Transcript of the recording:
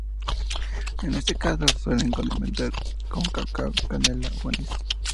En este caso, se suele condimentar con cacao, canela o anís.